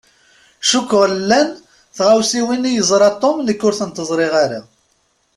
Cukkeɣ llan tɣawsiwin i yeẓṛa Tom nekk ur tent-ẓṛiɣ ara.